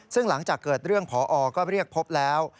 ซึ่งหลังจากเกิดเรื่องพอก็เรียกพบแล้ว